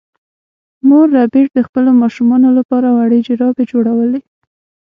مور ربیټ د خپلو ماشومانو لپاره وړې جرابې جوړولې